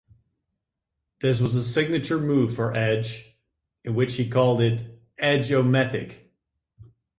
This was a signature move for Edge, in which he called it "Edge-O-Matic".